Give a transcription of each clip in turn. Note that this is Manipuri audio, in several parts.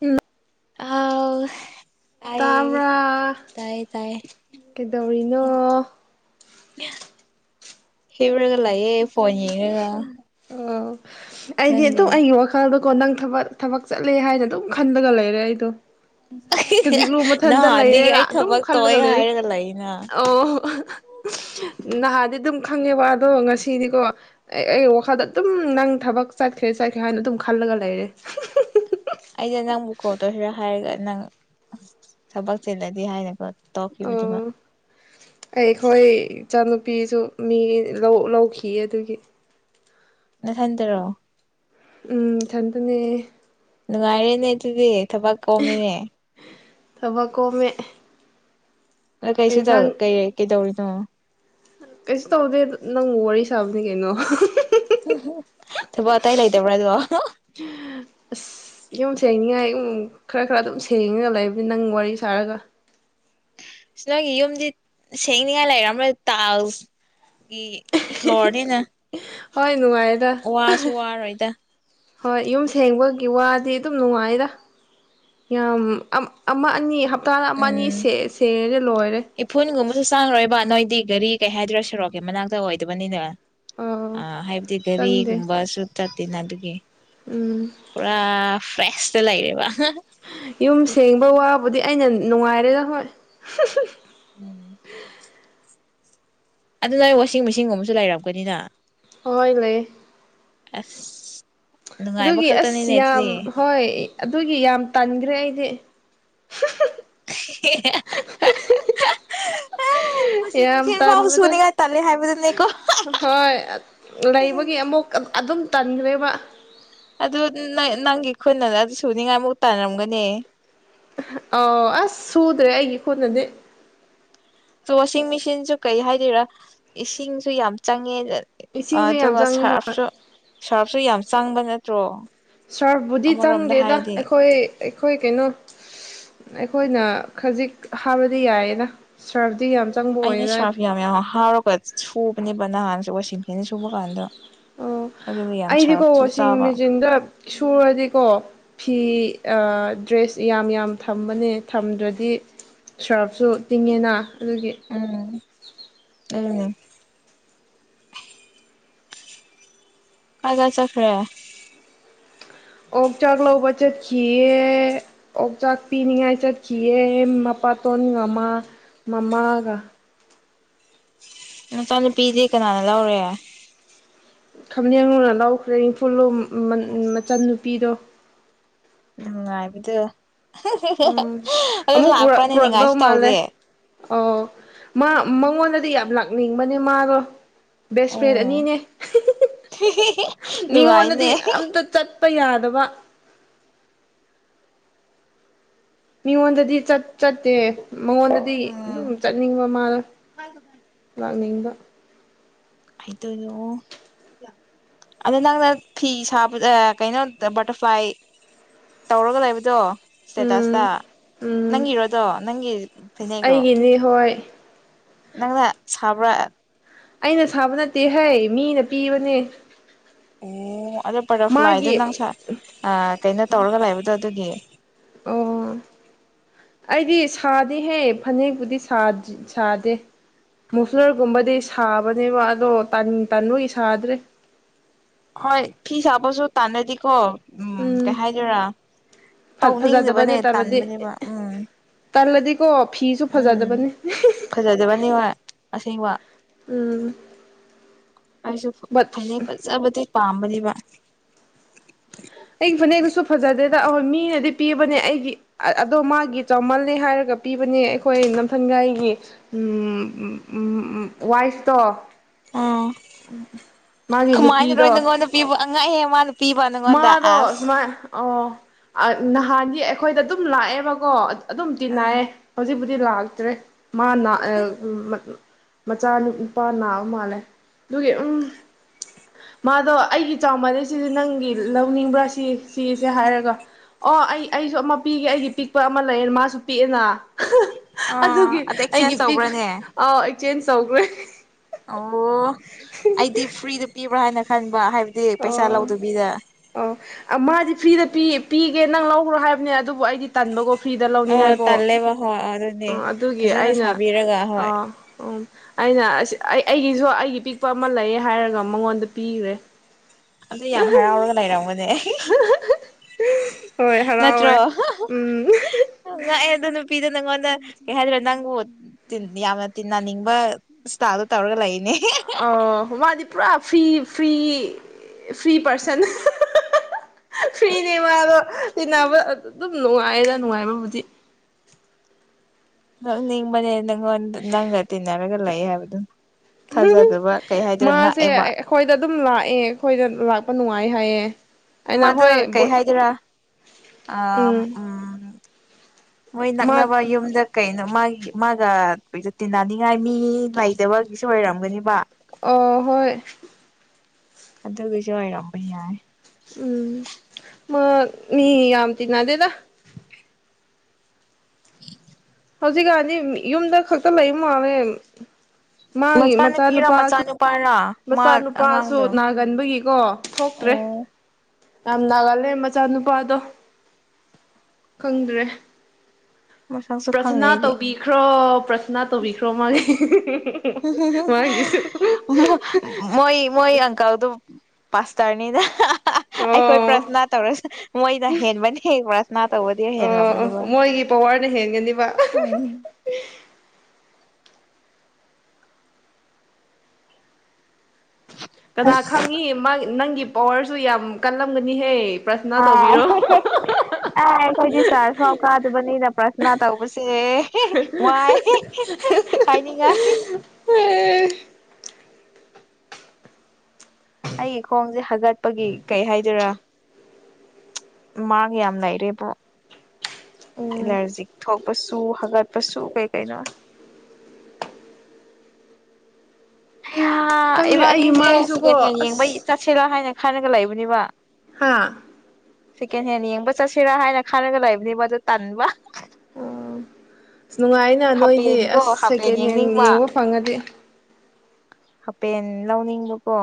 ꯎꯝ ꯑꯧ ꯇꯥꯕ꯭ꯔꯥ ꯇꯥꯏꯌꯦ ꯀꯩꯗꯧꯔꯤꯅꯣ ꯍ ꯍꯤꯔꯒ ꯂꯩꯌꯦ ꯐꯣꯟ ꯌꯦꯡꯔꯒ ꯑꯣ ꯑꯩꯗꯤ ꯅꯪꯗꯤ ꯑꯗꯨ ꯑꯩꯒꯤ ꯋꯥꯈꯜꯗꯣ ꯀꯣ ꯅꯪꯕ ꯊꯕꯛ ꯊꯕꯛ ꯆꯠꯂꯦ ꯍꯥꯏꯗꯣ ꯑꯗꯨꯝ ꯈꯜꯂꯒ ꯂꯩꯔꯦ ꯑꯩꯗꯣ ꯑ ꯍꯤ ꯍꯤ ꯍꯧꯖꯤꯛꯂꯨ ꯃꯊꯟꯇ ꯅꯍꯥꯟꯗꯒꯤ ꯂꯩꯔꯦꯅ ꯑꯩ ꯑꯗꯨꯝ ꯊꯕꯛ ꯈꯜꯂꯒ ꯇꯣꯑꯦ ꯂꯩꯔꯦ ꯍꯥꯏꯔꯒ ꯂꯩꯅ ꯑꯣ ꯅꯍꯥꯟꯗꯤ ꯑꯗꯨꯝ ꯈꯪꯉꯦꯕ ꯑꯗꯣ ꯉꯁꯤꯗꯤꯀꯣ ꯑꯦ ꯑꯩ ꯈꯗ ꯑꯗꯨꯝ ꯅꯪ ꯊꯕꯛ ꯆꯠꯈ꯭ꯔꯦ ꯆꯠꯈ꯭ꯔꯦ ꯍꯥꯏꯅ ꯑꯗꯨꯝ ꯈꯜꯂꯒ ꯂꯩꯔꯦ ꯍꯝ ꯍꯝ ꯑꯝ ꯑꯝ ꯑꯩꯅ ꯅꯪꯕꯨ ꯀꯣꯜꯗꯧꯁꯤꯔꯥ ꯍꯥꯏꯔꯒ ꯅꯪ ꯊꯕꯛ ꯆꯤꯜꯂꯗꯤ ꯍꯥꯏꯅꯀꯣ ꯇꯧꯈꯤꯕꯅꯦꯕ ꯑꯣ ꯑꯩꯈꯣꯏ ꯏꯆꯥꯅꯨꯄꯤꯁꯨ ꯃꯤ ꯂꯧ ꯂꯧꯈꯤ ꯑꯗꯨꯒꯤ ꯅꯊꯟꯗꯔꯣ ꯎꯝ ꯊꯟꯗꯅꯦ ꯅꯨꯡꯉꯥꯏꯔꯦꯅꯦ ꯑꯗꯨꯗꯤ ꯊꯕꯛ ꯀꯣꯃꯤꯅꯦ ꯊꯕꯛ ꯀꯣꯃꯦ ꯅꯀꯩꯁꯨ ꯊꯧ ꯀꯩ ꯀꯩꯗꯧꯔꯤ ꯑ ꯀꯩꯁ ꯇꯧꯗꯦꯗ ꯅꯪ ꯋꯥꯔꯤ ꯁꯥꯕꯅꯤ ꯀꯩꯅꯣ ꯊꯕꯛ ꯑꯇꯧ ꯂꯩꯇꯕꯔꯥ ꯑꯗꯣ ꯑꯁ ꯌꯨꯝ ꯁꯦꯡꯅꯤꯡꯉꯥꯏ ꯎꯝ ꯈꯔ ꯈꯔ ꯑꯗꯨꯝ ꯁꯦꯡꯉꯒ ꯂꯩꯕꯟ ꯅꯪ ꯋꯥꯔꯤ ꯁꯥꯔꯒ ꯏꯁ ꯅꯪꯒꯤ ꯌꯨꯝꯗꯤ ꯁꯦꯡꯅꯤꯉꯥꯏ ꯂꯩꯔꯝ ꯃꯔꯣꯏ ꯇꯥꯜꯁ ꯒꯤ ꯐ꯭ꯂꯣꯔꯅꯤꯅ ꯍꯣꯏ ꯅꯨꯡꯉꯥꯏꯗ ꯑ ꯋꯥꯁꯨ ꯍ ꯋꯥꯔꯣꯏꯗ ꯍꯣꯏ ꯌꯨꯝ ꯁꯦꯡꯕꯒꯤ ꯋꯥꯗꯤ ꯑꯗꯨꯝ ꯅꯨꯡꯉꯥꯏꯔ ꯌꯥꯝ ꯑꯝ ꯑꯃ ꯑꯅꯤ ꯍꯥꯞ ꯇꯥꯔꯥ ꯑꯃ ꯑꯅꯤ ꯎꯝ ꯁꯦ ꯁꯦꯔꯦ ꯂꯣꯏꯔꯦ ꯗꯤ ꯒꯥꯔꯤ ꯀꯩ ꯍꯥꯏꯗ꯭ꯔꯥ ꯁꯨꯔꯛꯀꯤ ꯃꯅꯥꯛꯇ ꯑꯣꯏꯗꯕꯅꯤꯅ ꯑ ꯍꯥꯏꯕꯗꯤ ꯆꯪꯗꯦ ꯒꯥꯔꯤꯒꯨꯝꯕꯁꯨ ꯆꯠ ꯇꯤꯟꯅ ꯑꯗꯨꯒꯤ ꯎꯝ ꯄꯨꯔꯥ ꯏꯁ꯭ꯔꯦꯁꯇ ꯂꯩꯔꯦꯕ ꯌꯨꯝ ꯁꯦꯡꯕ ꯋꯥꯕꯨꯗꯤ ꯑꯩꯅ ꯅꯅꯨꯡꯉꯥꯏꯔꯗ ꯍꯣꯏ ꯎꯝ ꯑꯗꯨ ꯅ ꯑꯩ ꯋꯥꯁꯤꯡ ꯃꯦꯆꯤꯟꯒꯨꯝꯕꯁꯨ ꯂꯩꯔꯔꯕꯒꯅꯤꯅ ꯍꯣꯏ ꯂꯩꯌꯦ ꯑꯁ ꯅꯨꯡꯉꯥꯏꯕ ꯑꯗꯨꯒꯤ ꯑꯁ ꯈꯛꯇꯅꯤꯅꯦ ꯌꯥꯝ ꯑꯗꯨꯗꯤ ꯍꯣꯏ ꯑꯗꯨꯒꯤ ꯌꯥꯝ ꯇꯟꯈ꯭ꯔꯦ ꯑꯩꯗꯤ [inaudible] ꯋꯥꯁꯤꯡ ꯌꯥꯝ ꯃꯦꯆꯤꯟ ꯐꯥꯎ ꯇꯥꯅꯤꯡꯕꯗ ꯁꯨꯅꯤꯡꯉꯥꯏ ꯇꯜꯂꯦ ꯍꯥꯏꯕꯗꯨꯅꯦꯀꯣ ꯍꯣꯏ ꯂꯩꯕꯒꯤ ꯑꯃꯨꯛ ꯑꯗꯨꯝ ꯇꯗ꯭ꯔꯕ ꯑꯗꯨ ꯅꯪꯒꯤ ꯈꯨꯅ ꯑꯗꯨ ꯁꯨꯅꯤꯡꯉꯥꯏꯃꯨꯛ ꯇꯥꯟꯅꯔꯝꯒꯅꯤ ꯑꯣ ꯑꯁ ꯁꯨꯗ꯭ꯔꯦ ꯑꯩꯒꯤ ꯈꯨꯅꯗꯤ ꯑꯣ ꯋꯥꯁꯤꯡ ꯃꯦꯆꯤꯟꯁꯨ ꯀꯩ ꯍꯥꯏꯗꯣꯏꯔꯥ ꯏꯁꯤꯡꯁꯨ ꯌꯥꯝ ꯆꯪꯉꯦ ꯏꯁꯤꯡꯁꯨ ꯑꯗ ꯌꯥꯝ ꯆꯪꯉꯤ ꯍꯣꯏ ꯁꯥꯞꯁꯨ ꯁꯥꯔꯁꯨ ꯌꯥꯝ ꯆꯪꯕ ꯅꯠꯇ꯭ꯔꯣ ꯁꯥꯔꯐꯕꯨꯗꯤ ꯑꯃꯔꯣꯝꯗ ꯆꯪꯗꯦꯗ ꯍꯥꯏꯔꯗꯤ ꯑꯩꯈꯣꯏ ꯑꯩꯈꯣꯏ ꯀꯩꯅꯣ ꯑꯩꯈꯣꯏꯅ ꯈꯖꯤꯛ ꯍꯥꯕꯗꯤ ꯌꯥꯏꯌꯦꯅ ꯁꯔꯞ ꯑꯩꯗꯤ ꯁꯥꯐ ꯌꯥꯝ ꯌꯥꯝ ꯍꯞꯂꯒ ꯁꯨꯕꯅꯤ ꯅꯥꯜ ꯋꯥꯁꯤꯐꯦꯅ ꯁꯨꯕ ꯀꯥꯟꯗ ꯑꯣ ꯑꯗꯨꯒ ꯌꯥꯝ ꯑꯩꯗꯤꯀꯣ ꯁꯥꯔꯞꯁꯨ ꯋꯥꯁꯤꯡ ꯆꯥꯕ ꯃꯦꯆꯤꯟꯗ ꯁꯨꯔꯗꯤꯀꯣ ꯐꯤ ꯑꯥ ꯗ꯭ꯔꯦꯁ ꯌꯥꯝ ꯌꯥꯝ ꯊꯝꯕꯅꯦ ꯊꯝꯗ꯭ꯔꯗꯤ ꯁꯥꯔꯐꯁꯨ ꯇꯤꯡꯉꯦꯅ ꯑꯗꯨꯗꯒꯤ ꯎꯝ ꯀꯥꯏ ꯀꯥꯏ ꯆ ꯈꯔ ꯑꯣꯛ ꯆꯥꯛ ꯂꯧꯕ ꯆꯠꯈꯤꯑ ꯑꯣꯛꯆꯥꯛ ꯄꯤꯅꯤꯡꯉꯥꯏ ꯆꯠꯈꯤꯑ ꯃꯄꯥꯇꯣꯟꯒꯃꯥ ꯃꯃꯥꯒ ꯅꯆꯥꯅꯨꯄꯤꯗꯤ ꯀꯅꯥꯅ ꯂꯧꯔꯦ ꯈꯝꯖꯡꯨꯅ ꯂꯧꯈ꯭ꯔꯦ ꯏꯪꯐꯨꯜꯂꯣ ꯃꯆꯟ ꯅꯨꯨꯄꯤꯗꯣ ꯅꯨꯪꯉꯥꯏꯕꯥꯁꯤ ꯎꯝ ꯑꯗꯨ ꯑꯃꯨꯛ ꯄꯨꯔꯛ ꯂꯥꯛꯄ꯭ꯔꯥꯅꯦꯗꯤ ꯄꯨꯔꯛꯗꯧ ꯉꯥꯏꯁꯨ ꯃꯥꯜꯂꯦ ꯇꯧꯗꯦ ꯑꯣ ꯃꯥ ꯃꯉꯣꯟꯗꯗꯤ ꯌꯥꯝ ꯂꯥꯛꯅꯤꯡꯕꯅꯦ ꯃꯥꯗꯣ ꯕꯦꯁ ꯐ꯭ꯔꯦꯟ ꯎꯝ ꯑꯅꯤꯅꯦ ꯃꯤꯉꯣꯟꯗꯗꯤ ꯅꯨꯡꯉꯥꯏꯅꯦ ꯑꯝꯇ ꯆꯠ ꯆꯞꯄ ꯌꯥꯗꯕ ꯃꯤꯑꯣꯡꯗꯗꯤ ꯆꯠ ꯆꯠꯇꯦ ꯃꯉꯣꯟꯗꯗꯤ ꯎꯝ ꯑꯗꯨꯝ ꯆꯠꯅꯤꯡꯕ ꯃꯥꯅ ꯂꯥꯛꯅꯤꯡꯕ ꯍꯥꯏꯗꯣꯏꯅꯣ ꯑꯗꯣ ꯅꯪꯅ ꯐꯤ ꯁꯥꯕꯗ ꯀꯩꯅꯣꯗ ꯕꯇꯔꯐ꯭ꯂꯥꯏ ꯇꯧꯔꯒ ꯂꯩꯕꯗꯣ ꯁꯇꯦꯇꯁꯇ ꯎꯝ ꯎꯝ ꯅꯪꯒꯤꯔꯣꯗꯣ ꯅꯪꯒꯤ ꯐꯤꯅꯦꯛꯂꯣ ꯑꯩꯒꯤꯅꯤ ꯍꯣꯏ ꯅꯪꯗ ꯁꯥꯕ꯭ꯔ ꯑꯩꯅ ꯁꯥꯕ ꯅꯠꯇꯦ ꯍꯩ ꯃꯤꯅ ꯄꯤꯕꯅꯦ ꯑꯣ ꯑꯗꯣ ꯕꯇꯔꯐ꯭ꯂꯥꯏꯗ ꯃꯥꯒꯤ ꯅꯪ ꯀꯩꯅꯣ ꯇꯧꯔꯒ ꯂꯩꯕꯗꯣ ꯑꯗꯨꯗꯒꯤ ꯑꯣ ꯑꯩꯗꯤ ꯁꯥꯗꯦꯍꯦ ꯐꯅꯦꯛꯄꯨꯗꯤ ꯁꯥꯗꯦ ꯃꯨꯐꯂꯔꯒꯨꯝꯕꯗꯤ ꯁꯥꯕꯅꯦꯕ ꯑꯗꯣ ꯇꯟꯕꯒꯤ ꯁꯥꯗ꯭ꯔꯦ ꯍꯣꯏ ꯐꯤ ꯆꯕ ꯆꯣ ꯇꯥꯟꯗꯤ ꯀꯣ ꯎꯝ ꯀꯩ ꯍꯥꯏꯗꯣꯏꯔꯥ ꯇꯧꯅꯤꯡꯗꯕꯅꯦ ꯐꯖꯗꯕꯅꯦ ꯇꯜꯂꯗꯤ ꯇꯟꯕꯅꯦꯕ ꯎꯝ ꯇꯜꯂꯗꯤꯀꯣ ꯐꯤꯁꯨ ꯎꯝ ꯐꯖꯗꯕꯅꯦ ꯐꯖꯗꯕꯅꯤ ꯍꯣꯏ ꯑꯁꯦꯡꯕ ꯎꯝ ꯑꯩꯁꯨ ꯐ ꯕꯠ ꯐꯅꯦꯛ ꯐꯖꯕꯗꯤ ꯄꯥꯝꯕꯅꯤꯕ ꯑꯩꯒꯤ ꯐꯅꯦꯛꯇꯨꯁꯨ ꯐꯖꯗꯦꯗꯣꯏ ꯃꯤꯅꯗꯤ ꯄꯤꯕꯅꯦ ꯑꯩꯒꯤ ꯑꯗꯣ ꯃꯥꯒꯤ ꯆꯥꯎꯃꯜꯂꯦ ꯍꯥꯏꯔꯒ ꯄꯤꯕꯅꯦ ꯑꯩꯈꯣꯏ ꯅꯝꯊꯪꯒꯥꯏꯒꯤ ꯎꯝ ꯎꯝ ꯎꯝ ꯋꯥꯏꯐꯇꯣ ꯑꯥ ꯃꯥꯒꯤ ꯅꯨꯄꯤꯗꯣ ꯀꯃꯥꯏꯅꯔꯣꯏ ꯅꯪꯉꯣꯟꯗ ꯄꯤꯕ ꯑꯉꯥꯡ ꯑꯍꯦ ꯃꯥꯅ ꯄꯤꯕ ꯅꯪꯉꯣꯟꯗ ꯃꯥꯗꯣ ꯑꯁ ꯁꯨꯃꯥꯏ ꯑꯣ ꯅꯍꯥꯟꯒꯤ ꯑꯩꯈꯣꯏꯗ ꯑꯗꯨꯝ ꯂꯥꯛꯑꯦꯕꯀꯣ ꯑꯗꯨꯝ ꯇꯤ ꯎꯝ ꯅꯥꯏꯌꯦ ꯍꯧꯖꯤꯛꯄ ꯗꯤ ꯂꯥꯛꯇ꯭ꯔꯦ ꯃꯥ ꯅ ꯑꯑ ꯃꯆꯥ ꯅꯨꯄꯥ ꯅꯥꯕ ꯃꯥꯜꯂꯦ ꯑꯗꯨꯒꯤ ꯎꯝ ꯃꯥꯗꯣ ꯑꯩꯒꯤ ꯆꯥꯎꯃꯥꯟꯅꯩꯁꯤꯗꯤ ꯅꯪꯒꯤ ꯂꯧꯅꯤꯡꯕ꯭ꯔꯥ ꯁꯤ ꯁꯤꯁꯦ ꯍꯥꯏꯔꯒ ꯑꯣ ꯑꯩ ꯑꯩꯁꯨ ꯑꯃ ꯄꯤꯒꯦ ꯑꯩꯒꯤ ꯄꯤꯛꯄ ꯑꯃ ꯂꯩꯌꯦ ꯃꯥꯁꯨ ꯄꯤꯛꯑꯦꯅ ꯍ ꯑꯥ ꯑꯗꯨꯒꯤ ꯑꯗ ꯑꯩꯒꯤ ꯑꯦꯛꯆꯦꯟꯖ ꯄꯤꯛ ꯇꯧꯕ꯭ꯔꯥꯅꯦ ꯆꯦꯟꯖ ꯇꯧꯒ꯭ꯔꯦ ꯑꯣ ꯑꯩꯗꯤ ꯐ꯭ꯔꯤꯗ ꯄꯤꯕ꯭ꯔꯥ ꯍꯥꯏꯅ ꯈꯪꯕ ꯍꯥꯏ ꯑꯗꯨꯗꯤ ꯄꯩꯁꯥ ꯑꯣ ꯂꯧꯗꯕꯤꯗ ꯑꯣ ꯃꯥꯗꯤ ꯐ꯭ꯔꯤꯗ ꯄꯤ ꯄꯤꯒꯦ ꯅꯪ ꯂꯧꯈ꯭ꯔꯣ ꯍꯥꯏꯕꯅꯦ ꯑꯗꯨ ꯑꯗꯨꯕꯨ ꯑꯩꯗꯤ ꯇꯟꯕꯒꯣ ꯐ꯭ꯔꯤꯗ ꯑꯣ ꯂꯧꯅꯤꯡꯉꯥꯏꯀꯣ ꯇꯜꯂꯦꯕ ꯍꯣꯏ ꯑꯗꯨꯅꯦ ꯑꯥ ꯑꯗꯨꯒꯤ ꯐꯖꯅ ꯑꯩꯅ ꯁꯥꯕꯤꯔꯒ ꯍꯣꯏ ꯑꯥ ꯎꯝ ꯑꯩꯅ ꯑꯁ ꯑꯩ ꯑꯩꯒꯤꯁꯨ ꯑꯩꯒꯤ ꯄꯤꯛꯄ ꯑꯃ ꯂꯩ ꯍꯥꯏꯔꯒ ꯃꯉꯣꯟꯗ ꯄꯤꯈ꯭ꯔꯦ ꯑ ꯌꯥꯝ ꯍꯔꯥꯎꯔꯒ ꯂꯩꯔꯝꯒ ꯑꯦ ꯏꯍꯤ ꯍꯣꯏ ꯍꯔꯥꯎꯋꯦ ꯎꯝ ꯅꯨꯄꯤꯗ ꯅꯪꯉꯣꯟꯗ ꯀꯩ ꯍꯥꯏꯗꫭꯏꯅꫭ ꯅꯪꯕꯨ ꯇꯤ ꯌꯥꯝꯅ ꯇꯤꯟꯅꯅꯤꯡꯕ ꯁꯇꯥꯏꯜꯗ ꯇꯧꯔꯒ ꯂꯩꯅꯦ ꯑꯣ ꯃꯥꯗꯤ ꯄꯨꯔꯥ ꯐ꯭ꯔꯤ ꯐ꯭ꯔꯤ ꯐ꯭ꯔꯤ ꯄꯥꯔꯁꯟ ꯐ꯭ꯔꯤꯅꯦ ꯃꯥꯗꯣ ꯇꯤꯟꯅꯕ ꯑꯗꯨꯝ ꯅꯨꯡꯉꯥꯏꯗ ꯅꯨꯡꯉꯥꯏꯕꯕꯨꯗꯤ ꯅꯪ ꯅꯤꯡꯕꯅꯦ ꯅꯪꯉꯣꯟ ꯅꯪꯒ ꯇꯤꯟꯅꯔꯒ ꯂꯩ ꯍꯥꯏꯕ ꯑꯗꯨꯝ ꯃꯥꯁꯦ ꯉꯥꯛꯑꯦꯕ ꯑꯩꯈꯣꯏꯗ ꯑꯗꯨꯝ ꯂꯥꯛꯑꯦ ꯑꯩꯈꯣꯏꯗ ꯂꯥꯛꯄ ꯅꯨꯡꯉꯥꯏ ꯉꯥꯏ ꯍꯥꯏꯌꯦ ꯑꯩꯅ ꯃꯥꯗꯨ ꯍꯣꯏ ꯀꯩ ꯍꯥꯏꯗꫭꯏꯔꯥ ꯑ ꯎꯝ ꯃꯣꯏ ꯃꯥ ꯅꯛꯅꯕ ꯌꯨꯝꯗ ꯀꯩꯅꯣ ꯃꯥꯒꯤ ꯃꯥꯒ [unintelligible] ꯇꯤꯟꯅꯅꯤꯡꯉꯥꯏ ꯃꯤ ꯂꯩꯇꯕꯒꯤꯁꯨ ꯑꯣꯏꯔꯝꯒꯅꯤꯕ ꯑꫭ ꯍꯣꯏ ꯑꯗꯨꯒꯤꯁꯨ ꯑꫭꯏꯔꯝꯕ ꯌꯥꯏ ꯎꯝ ꯃ ꯃꯤ ꯌꯥꯝ ꯇꯤꯟꯅꯗꯦꯗ ꯍꯧꯖꯤꯛꯀꯥꯟꯗꯤ ꯌꯨꯝꯗ ꯈꯛꯇ ꯂꯩꯕ ꯃꯥꯜꯂꯦ ꯃꯥꯒꯤ ꯃꯆꯥꯅꯨꯄꯤꯔ ꯃꯆꯥꯅꯨꯄꯥꯁꯨ ꯃꯆꯥꯅꯨꯄꯥꯔ ꯃꯥ ꯃꯆꯥꯅꯨꯄꯥꯁꯨ ꯑꯉꯥꯡꯗꯣ ꯅꯥꯒꯟꯕꯒꯤꯀꯣ ꯊꯣꯛꯇ꯭ꯔꯦ ꯑꯣ ꯌꯥꯝ ꯅꯥꯒꯜꯂꯦ ꯃꯆꯥꯅꯨꯄꯥꯗꯣ ꯈꯪꯗ꯭ꯔꯦ ꯃꯁꯛꯁꯨ ꯈꯪꯗꯦ ꯄ꯭ꯔꯊꯅꯥ ꯑꯩꯗꯤ ꯇꯧꯕꯤꯈ꯭ꯔꯣ ꯄ꯭ꯔꯊꯅꯥ ꯇꯧꯕꯤꯈ꯭ꯔꯣ ꯃꯥꯒꯤ ꯃꯥꯒꯤꯁꯨ ꯃ ꯃꯣꯏ ꯃꯣꯏ ꯑꯪꯀꯜ ꯗꯨ ꯄꯥꯁꯇꯔꯅꯤꯗ ꯑ ꯑꯩꯈꯣꯏ ꯑꯣ ꯄ꯭ꯔꯊꯅꯥ ꯇꯧꯔꯁꯨ ꯃꯣꯏꯅ ꯍꯦꯟꯕꯅꯤ ꯄ꯭ꯔꯊꯅꯥ ꯇꯧꯕꯗꯤ ꯑꯣ ꯑꯣ ꯍꯦꯜꯂꯝꯃꯅꯤꯕ ꯃꯣꯏꯒꯤ ꯄꯋꯥꯔꯅ ꯍꯦꯟꯒꯅꯤꯕ ꯎꯝ ꯀꯅꯥ ꯑꯁ ꯈꯪꯉꯤ ꯅꯪꯒꯤ ꯄꯋꯥꯔꯁꯨ ꯌꯥꯝ ꯀꯜꯂꯝꯒꯅꯤꯍꯦ ꯄ꯭ꯔꯊꯅꯥ ꯑ ꯇꯧꯕꯤꯔꯣ ꯑ ꯑꯩꯈꯣꯏꯗꯤ ꯆꯥꯔꯁ ꯐꯥꯎ ꯀꯥꯗꯕꯅꯤꯅ ꯄ꯭ꯔꯊꯅꯥ ꯇꯧꯕꯁꯦ ꯋꯥꯏ ꯍꯥꯏꯅꯤꯡꯉꯥꯏ ꯑꯩꯒꯤ ꯈꯣꯡꯁꯦ ꯍꯥꯒꯠꯄꯒꯤ ꯀꯩ ꯍꯥꯏꯗꯣꯏꯔꯥ ꯃꯥꯒ ꯌꯥꯝ ꯂꯩꯔꯦꯕꫭ ꯎꯝ ꯑꯦꯂꯔꯖꯤꯛ ꯊꯣꯛ ꯄꯆꯨ ꯍꯥꯒꯠꯄꯁꯨ ꯀꯩ ꯀꯩꯅꯣ ꯑꯌꯥ ꯈꯪꯗꯦ ꯑꯩꯒꯤ ꯑꯦꯕꯅꯤꯖꯦ ꯃꯥꯏꯁꯨꯀꯣ ꯁꯦꯀꯦꯟ ꯍꯦꯟ ꯌꯦꯡꯕꯩ ꯑꯁ ꯆꯠꯁꯤꯔꯥ ꯍꯥꯏꯅ ꯍꯥꯅꯒ ꯂꯩꯥꯏꯕꯅꯦꯕ ꯍꯥꯥ ꯁꯦꯀꯦꯟ ꯍꯦꯟ ꯌꯦꯡꯕ ꯆꯠꯁꯤꯔꯥ ꯍꯥꯏꯅ ꯈꯂꯒ ꯂꯩꯕꯅꯦꯕ ꯑꯗꯨ ꯇꯟꯕ ꯑꯁ ꯅꯨꯡꯉꯥꯏꯅ ꯅꯣꯏꯗꯤ ꯍꯥꯄꯦꯟꯀꯣ ꯑꯁ ꯍꯥꯄꯦꯟ ꯁꯦꯀꯦꯟ ꯍꯦꯟ ꯌꯦꯡꯅꯤꯡꯕ ꯌꯦꯡꯕ ꯐꯪꯉꯗꯤ ꯍꯥꯄꯦꯟ ꯂꯧꯅꯤꯡꯕꯀꯣ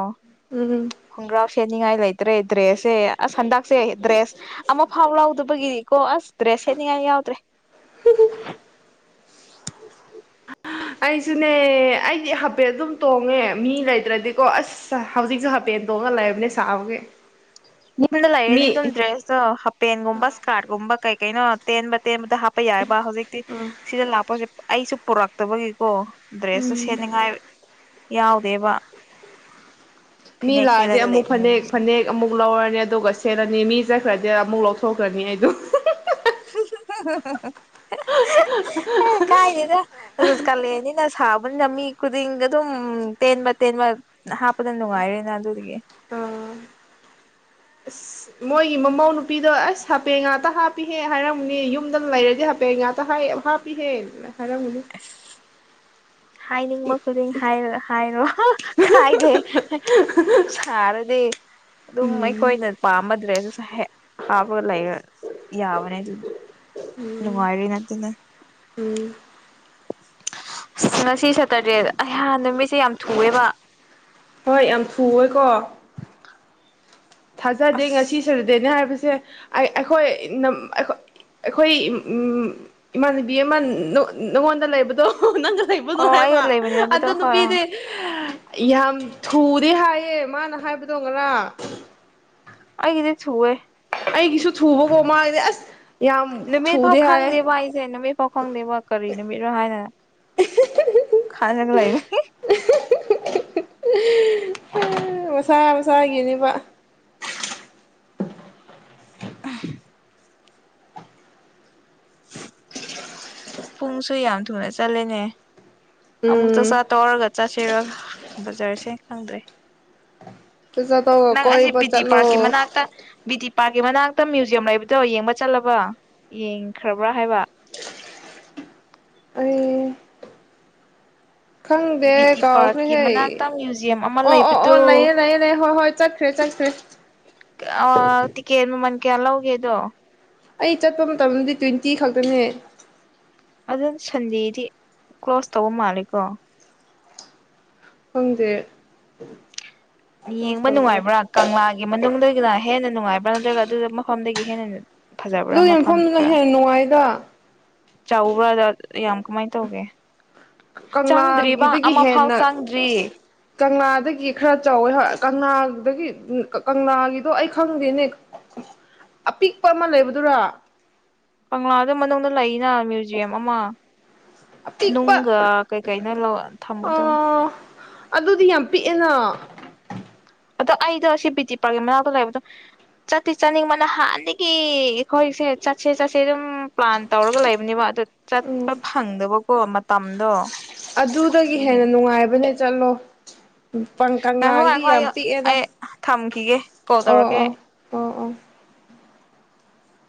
ꯎꯝ ꯈꯣꯡꯒ꯭ꯔꯥꯎ ꯁꯦꯠꯅꯤꯡꯉꯥꯏ ꯂꯩꯇ꯭ꯔꯦ ꯗ꯭ꯔꯦꯁꯁꯦ ꯑꯁ ꯍꯟꯗꯛꯁꯦ ꯗ꯭ꯔꯦꯁ ꯑꯃ ꯐꯥꯎ ꯂꯥꯎꯗꯕꯒꯤ ꯀꯣ ꯑꯁ ꯗ꯭ꯔꯦꯁꯅꯤꯡꯉꯥꯏ ꯌꯥꯎꯗ꯭ꯔꯦ ꯑꯩꯁꯨꯅꯦ ꯑꯩꯗꯤ ꯍꯥꯏꯐꯦꯠ ꯑꯗꯨꯝ ꯇꯣꯡꯉꯦ ꯃꯤ ꯂꯩꯇ꯭ꯔꯗꯤꯀꯣ ꯑꯁ ꯍꯧꯖꯤꯛꯁꯨ ꯍꯥꯏꯐꯦꯠ ꯇꯣꯡꯉꯒ ꯂꯩꯕꯅꯦ ꯁꯥꯕꯒꯤ ꯃꯤꯅ ꯂꯩꯗ ꯃꯤ ꯑꯗꯨ ꯗ꯭ꯔꯁ ꯍ ꯄꯦꯟ ꯒꯨꯝꯕꯥ ꯁꯀꯥꯠꯒꯨꯝꯕ ꯀꯩ ꯀꯩꯅꯣ ꯇꯦꯟꯕ ꯇꯦꯟ ꯗ ꯍꯥꯞꯄ ꯌꯥꯏꯑꯕ ꯍꯧꯖꯤꯛꯇꯤ ꯁꯤꯗ ꯂꯥꯛꯄꯁꯦ ꯑꯩꯁꯨ ꯄꯨꯔꯛꯇꯕꯒꯤꯀꯣ ꯗ꯭ꯔꯦꯁꯨ ꯎꯝ ꯁꯅꯤꯡꯉꯥꯏ ꯌꯥꯎꯗꯦꯕ ꯃꯤ ꯐꯅꯦꯛ ꯂꯥꯛ ꯑꯗꯤ ꯁꯦꯠꯂꯒ ꯑꯃꯨꯛ ꯂꯩꯕꯅꯦ ꯐꯅꯦꯛ ꯍꯧꯖꯤꯛꯁꯦ ꯐꯅꯦꯛ ꯑꯃꯨꯛ ꯨ ꯂꯧꯔꯅꯤ ꯑꯗꯨꯒ ꯁꯦꯠꯂꯅꯤ ꯃꯤ ꯆꯠꯈ꯭ꯔꯗꯤ ꯑꯃꯨꯛ ꯂꯧꯊꯣꯛꯈ꯭ꯔꯅꯤ ꯑꯩꯗꯣ [inaudible] ꯑ ꯀꯥꯏꯗꯦꯗ ꯑꯗꯨ ꯀꯥꯂꯛꯑꯅꯤꯅ ꯁꯥꯕꯅꯤꯅ ꯃꯤ ꯈꯨꯗꯤꯡ ꯑꯗꯨꯝ ꯇꯦꯟꯕ ꯇꯦꯟꯕ ꯍꯥꯞꯄꯗ ꯅꯨꯡꯉꯥꯏꯔꯦꯅ ꯑꯗꯨꯗꯒꯤ ꯑꯁ ꯃꯣꯏꯒꯤ ꯃꯃꯧ ꯅꯨꯄꯤꯗꯣ ꯑꯁ ꯍꯥꯄꯦꯟ ꯉꯥꯛꯇ ꯍꯥꯞꯄꯤꯍꯦ ꯍꯥꯏꯔꯝꯅꯦ ꯌꯨꯝꯗ ꯂꯩꯔꯗꯤ ꯍꯥꯄꯦꯟ ꯉꯥꯛꯇ ꯍꯥꯞꯄꯤꯍꯦꯅ ꯍꯥꯌꯔꯒꯥꯅꯤ ꯍꯥꯏꯅꯤꯡꯕ ꯈꯨꯗꯤꯡ ꯍꯥꯏꯔ ꯍꯥꯏꯔꯣ ꯀꯥꯏꯗꯦ ꯁꯥꯔꯗꯤ ꯑꯗꯨꯝ ꯎꯝ ꯑꯩꯈꯣꯏꯅ ꯄꯥꯝꯕ ꯗ꯭ꯔꯦꯁꯁꯨ ꯍꯥꯥꯎꯕ ꯂ ꯌꯥꯕꯅꯦ ꯑꯗꯨ ꯅꯨꯡꯋꯥꯥꯏꯔꯅꯠꯇꯗ ꯎꯝ ꯑꯁ ꯉꯁꯤ ꯁꯇꯔꯗꯦꯗ ꯑꯩꯍꯥꯟ ꯅꯨꯃꯤꯠꯁꯦ ꯌꯥꯝ ꯊꯨꯑꯦꯕ ꯍꯣꯏ ꯌꯥꯝ ꯊꯨꯋꯦꯀꯣ ꯊꯥꯖꯗꯦ ꯑꯁ ꯉꯁꯤ ꯁꯔꯗꯦꯅꯦ ꯍꯥꯏꯕ ꯁꯦ ꯑꯩꯈꯣꯏ ꯑꯩꯈꯣꯏ ꯏꯃꯥꯟꯅꯕꯤ ꯑꯃ ꯅꯪꯉꯣꯟꯗ ꯂꯩꯕꯗꯣ ꯅꯪꯒꯥ ꯂꯩꯕꯗꯣ ꯑꯣ ꯑꯩꯒ ꯍꯥꯏꯕ ꯂꯩꯕꯅꯦꯕꯗꯣ ꯑꯗ ꯍꯣꯏ ꯑꯥ ꯅꯨꯄꯤꯗꯤ ꯌꯥꯝ ꯊꯨꯗꯤ ꯍꯥꯏꯌꯦ ꯃꯥꯅ ꯍꯥꯏꯕꯗꯣ ꯉꯔꯥꯪ ꯑꯩꯒꯤꯗꯤ ꯊꯨꯑꯦ ꯑꯩꯒꯤꯁꯨ ꯊꯨꯕꯀꯣ ꯃꯥꯉꯒꯏꯗꯤ ꯑꯁ ꯌꯥꯝ ꯅꯨꯃꯤꯠ ꯐꯥꯎ ꯊꯨꯗꯦ ꯍꯥꯏꯌꯦ ꯈꯪꯗꯦꯕ ꯑꯩꯁꯦ ꯅꯨꯃꯤꯠ ꯐꯥꯎ ꯈꯪꯗꯦꯕ ꯀꯔꯤ ꯅꯨꯃꯤꯠꯅꯣ ꯍꯥꯏꯅ ꯈꯖꯒ ꯂꯩꯕ ꯃꯁꯥ ꯃꯁꯥꯒꯤꯅꯤꯕ [inaudible] ꯄꯨꯡꯁꯨ ꯌꯥꯝ ꯊꯨꯅ ꯆꯠꯂꯦꯅꯦ ꯑꯃꯨꯛ ꯎꯝ ꯆꯥꯛꯆꯥ ꯇꯣꯛꯑꯒ ꯆꯥꯁꯤꯔꯣ ꯕꯖꯥꯔꯁꯦ ꯈꯪꯗ꯭ꯔꯦ ꯆꯠ ꯇꯧꯒ ꯅꯪ ꯑꯁꯤꯁ ꯀꯣꯏꯕ ꯕꯤ ꯇꯤ ꯄꯥꯔꯛꯀꯤ ꯆꯠꯂꯣ ꯃꯅꯥꯛꯇ ꯕꯤ ꯇꯤ ꯄꯥꯀꯤ ꯃꯅꯥꯛꯇ ꯃ꯭ꯌꯨꯖꯌꯝ ꯂꯩꯕꯗꯣ ꯌꯦꯡꯕ ꯆꯠꯂꯕ ꯌꯦꯡꯈ꯭ꯔꯕ꯭ꯔꯥ ꯍꯥꯏꯕ ꯑꯏ ꯈꯪꯗꯦ ꯕꯤ ꯇꯤ ꯄꯥꯔꯛꯀꯤ ꯀꯥꯎꯈ꯭ꯔꯦꯍꯦ ꯃꯅꯥꯛꯇ ꯃ꯭ꯌꯨꯖꯤꯌꯝ ꯑꯃ ꯑꯣ ꯑꯣ ꯑꯣ ꯂꯩꯕꯗꯣ ꯂꯩꯌꯦ ꯂꯩꯌꯦ ꯂꯩꯌꯦ ꯍꯣꯏ ꯍꯣꯏ ꯆꯠꯈ꯭ꯔꯦ ꯆꯠꯈ꯭ꯔꯦ ꯀꯩꯌꯥ ꯂꯥꯎꯒꯦꯗꯣ ꯑꯩ ꯆꯠꯄ ꯃꯇꯝꯗꯗꯤ ꯇ꯭ꯋꯦꯟꯇꯤ ꯈꯛꯇꯅꯦ ꯑꯗꯨꯝ ꯁꯟꯗꯦꯗꯤ ꯀ꯭ꯂꯣꯁ ꯇꯧꯕ ꯃꯥꯂꯦꯀꯣ ꯈꯪꯗꯦ ꯀ꯭ꯂꯣꯁ ꯌꯦꯡꯕ ꯇꯧꯕ꯭ꯔꯥ ꯅꯨꯡꯉꯥꯏꯕ꯭ꯔꯥ ꯀꯪꯂꯥꯒꯤ ꯃꯅꯨꯡꯗꯒꯤꯅ ꯍꯦꯟꯅ ꯅꯨꯡꯉꯥꯏ ꯅꯠꯇ꯭ꯔꯒ ꯑꯗꯨ ꯃꯐꯝꯗꯒꯤ ꯍꯦꯟꯅ ꯑꯗꯨ ꯑꯗꯨꯒꯤ ꯃꯐꯝꯗꯨꯅ ꯍꯦꯟꯅ ꯅꯨꯡꯉꯥꯏꯗ ꯆꯥꯎꯕ꯭ꯔꯥ ꯌꯥꯝ ꯀꯃꯥꯏ ꯇꯧꯒꯦ ꯆꯪꯗ꯭ꯔꯤꯕ ꯀꯪꯂꯥꯒꯤꯗꯒꯤ ꯑꯃꯐꯥꯎ ꯍꯦꯟꯅ ꯆꯪꯗ꯭ꯔꯤ ꯀꯪꯂꯥꯗꯒꯤ ꯈꯔ ꯆꯥꯎꯋꯦ ꯍꯣꯏ ꯀꯪꯂꯥꯗꯒꯤ ꯀꯪꯂꯥꯒꯤꯗꯣ ꯑꯩ ꯈꯪꯗꯦꯅꯦ ꯑꯄꯤꯛꯄ ꯑꯃ ꯂꯩꯕꯗꯨꯔꯥ ꯀꯪꯂꯥꯗ ꯃꯅꯨꯡꯗ ꯂꯩꯅ ꯃ꯭ꯌꯨꯖꯤꯌꯝ ꯑꯃ ꯑꯄꯤꯛꯄ ꯅꯨꯡꯒ ꯀꯩ ꯀꯩꯅꯣ ꯑ ꯊꯝꯕꯗꯣ ꯑꯗꯨꯗꯤ ꯌꯥꯝ ꯄꯤꯛꯑꯦꯅ ꯑꯗꯣ ꯑꯩꯗꯣ ꯁꯤ ꯕꯤ ꯇꯤ ꯄꯥꯔꯛꯀꯤ ꯃꯅꯥꯛꯇ ꯂꯩꯕꯗꯣ ꯆꯠꯇꯤ ꯆꯠꯅꯤꯡꯕ ꯅꯍꯥꯟꯗꯒꯤ ꯑꯩꯈꯣꯏꯁꯦ ꯆꯠꯁꯦ ꯆꯠꯁꯦ ꯑꯗꯨꯝ ꯄ꯭ꯂꯥꯟ ꯇꯧꯔꯒ ꯂꯩꯕꯅꯦꯕ ꯑꯗꯨ ꯎꯝ ꯆꯠꯄ ꯐꯪꯗꯕ ꯀꯣ ꯃꯠ ꯇꯝꯗꯣ ꯑꯗꯨꯗꯒꯤ ꯍꯦꯟꯅ ꯅꯨꯡꯉꯥꯏꯕ ꯅꯦ ꯆꯠꯂꯣ ꯎ ꯀꯪ ꯉꯥꯏꯈꯣ ꯀꯪꯂꯥꯒꯤꯗꯤ ꯉꯥꯏꯈꯣ ꯑꯩ ꯌꯥꯝ ꯄꯤꯛꯑꯦꯗ ꯑꯩ ꯊꯝꯈꯤꯒꯦ ꯀꯣꯜ ꯑꯣ ꯇꯧꯔꯛꯀꯦ ꯑꯣ ꯑꯣ ꯑꯣ